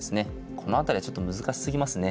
この辺りはちょっと難しすぎますね。